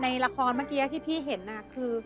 ในละครเมื่อกี้ที่พี่เห็นคือ